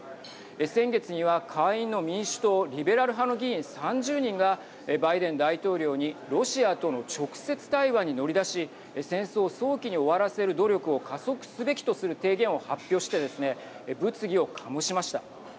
先月には下院の民主党リベラル派の議員３０人がバイデン大統領にロシアとの直接対話に乗り出し戦争を早期に終わらせる努力を加速すべきとする提言を発表してですね物議を醸しました。